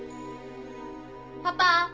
パパ！